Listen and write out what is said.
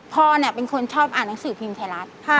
พ่อเป็นคนชอบอ่านหนังสือพิมพ์ไทรัศน์